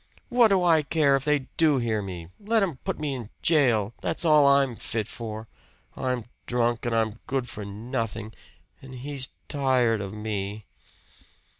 "What do I care if they do hear me? Let them put me in jail that's all I'm fit for. I'm drunk, and I'm good for nothing and he's tired of me!"